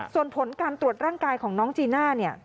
ส่วนผลการตรวจร่างกายของน้องจีน่าเนี่ย